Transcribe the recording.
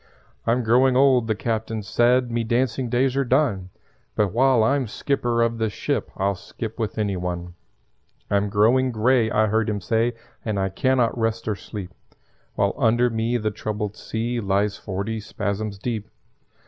"I'm growing old," the Captain said; "Me dancing days are done; But while I'm skipper of this ship I'll skip with any one. "I'm growing grey," I heard him say, "And I can not rest or sleep While under me the troubled sea Lies forty spasms deep.